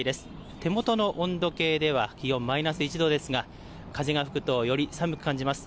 手元の温度計では気温マイナス１度ですが、風が吹くとより寒く感じます。